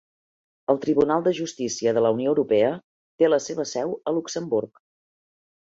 El Tribunal de Justícia de la Unió Europea té la seva seu a Luxemburg